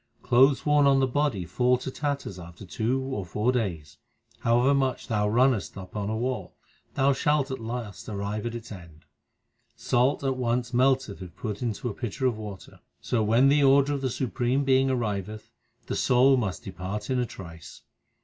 Clothes worn on the body fall to tatters after two or four days ; However much thou runnest upon a wall, thou shalt at last arrive at its end ; 2 Salt at once melteth if put into a pitcher of water ; So when the order of the Supreme Being arriveth, the soul must depart in a trice.